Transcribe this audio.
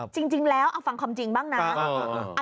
จริงแล้วเอาฟังความจริงบ้างนะ